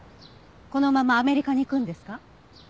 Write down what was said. このままアメリカに行くんですか？